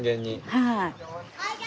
はい。